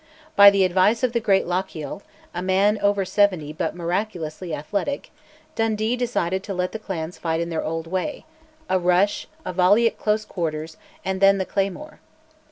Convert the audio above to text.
By the advice of the great Lochiel, a man over seventy but miraculously athletic, Dundee decided to let the clans fight in their old way, a rush, a volley at close quarters, and then the claymore.